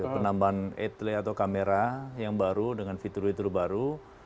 penambahan etele atau kamera yang baru dengan fitur fitur baru